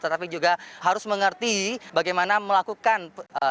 tetapi juga harus mengerti bagaimana melakukan